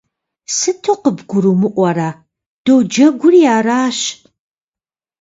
Сыту къыбгурымыӀуэрэ? Доджэгури аращ!